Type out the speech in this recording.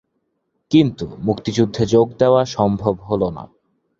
কিন্তু মুক্তিযুদ্ধে যোগ দেওয়া সম্ভব হলো না।